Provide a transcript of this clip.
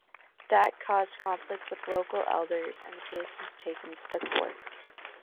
That caused conflict with local elders, and the case was taken to the court.